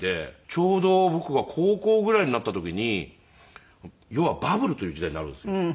ちょうど僕が高校ぐらいになった時に要はバブルという時代になるんですよ。